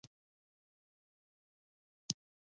آزاد تجارت مهم دی ځکه چې د لباس تنوع زیاتوي.